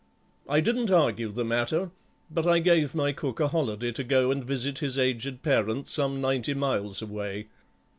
I didn't argue the matter, but I gave my cook a holiday to go and visit his aged parents some ninety miles away.